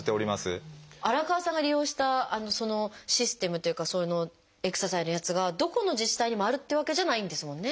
荒川さんが利用したシステムというかエクササイズのやつがどこの自治体にもあるっていうわけじゃないんですもんね。